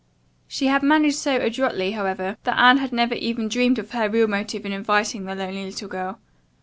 She had managed so adroitly, however, that Anne had never even dreamed of her real motive in inviting the lonely little girl.